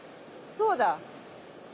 そうだ。